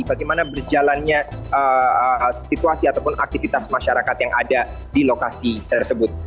bagaimana berjalannya situasi ataupun aktivitas masyarakat yang ada di lokasi tersebut